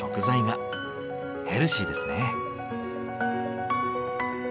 ヘルシーですね。